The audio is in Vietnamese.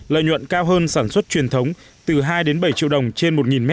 lợi nhuận cao hơn sản xuất truyền thống từ hai đến bảy triệu đồng trên một m hai